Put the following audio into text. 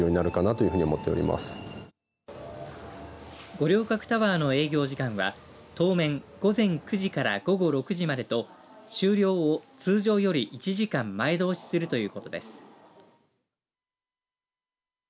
五稜郭タワーの営業時間は当面午前９時から午後６時までと終了を通常より１時間前倒しするということです。